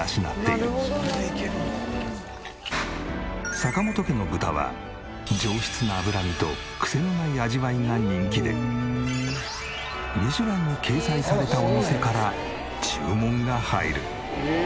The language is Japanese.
坂本家の豚は上質な脂身とクセのない味わいが人気で『ミシュラン』に掲載されたお店から注文が入る。